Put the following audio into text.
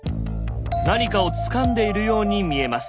何かをつかんでいるように見えます。